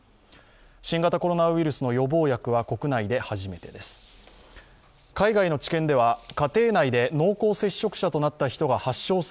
新型コロナウイルスの予防薬は国内で初めてです。